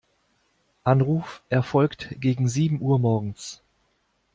Anruf erfolgt gegen sieben Uhr morgens.